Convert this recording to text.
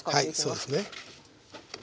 はいそうですね。